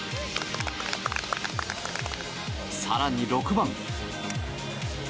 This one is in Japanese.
更に６番。